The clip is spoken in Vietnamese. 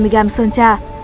ba mươi g sơn cha